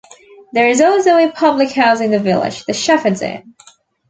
There is also a public house in the village, the Shepherds Inn.